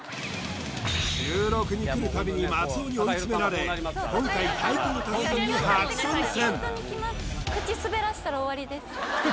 収録に来るたびに松尾に追い詰められ今回太鼓の達人に初参戦